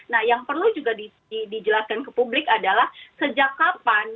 nah yang perlu juga dijelaskan ke publik adalah sejak kapan